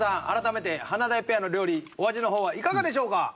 改めて華大ペアの料理お味の方はいかがでしょうか？